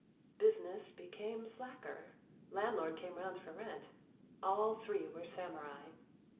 Business became slacker. Landlord came round for rent. All three were samurai.